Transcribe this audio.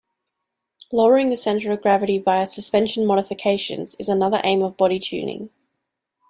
Lowering the center of gravity via suspension modifications is another aim of body tuning.